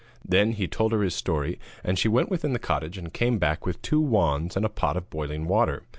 Then he told her his story, and she went within the cottage and came back with two wands, and a pot of boiling water.